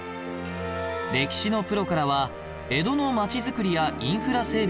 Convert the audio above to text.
歴史のプロからは江戸のまちづくりやインフラ整備を進め